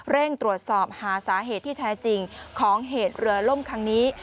เร่งตรวจสอบหาสาเหตุที่แท้จริงของเหตุเรือล่มครั้งนี้